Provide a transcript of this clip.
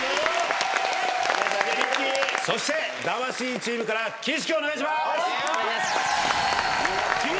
そして魂チームから岸君お願いします。